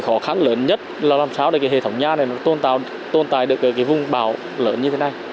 khó khăn lớn nhất là làm sao để hệ thống nhà này tồn tại được vùng bão lớn như thế này